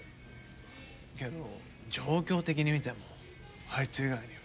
けど状況的に見てもあいつ以外には。